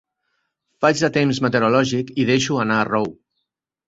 Faig de temps meteorològic i deixo anar rou.